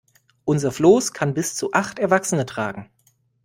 Unser Floß kann bis zu acht Erwachsene tragen.